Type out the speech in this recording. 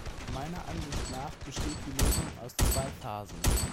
Meiner Ansicht nach besteht die Lösung aus zwei Phasen.